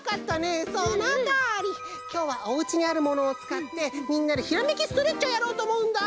きょうはおうちにあるものをつかってみんなでひらめきストレッチをやろうとおもうんだ！